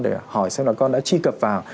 để hỏi xem là con đã truy cập vào